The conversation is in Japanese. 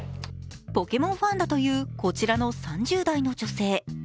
ポケモンファンだという、こちらの３０代の女性。